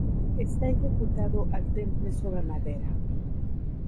Está ejecutado al temple sobre madera.